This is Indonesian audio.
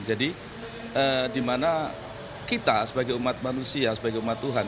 jadi dimana kita sebagai umat manusia sebagai umat tuhan